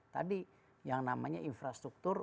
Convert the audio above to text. tadi yang namanya infrastruktur